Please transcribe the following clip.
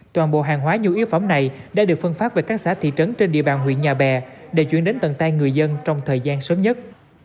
toàn bộ hàng hóa nhu yếu phẩm này đã được phân phát về các xã thị trấn trên địa bàn huyện nhà bè để chuyển đến tầng tay người dân trong thời gian sớm nhất